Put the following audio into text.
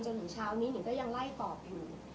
ตอนนี้หนึ่งก็ยังไล่ตอบอยู่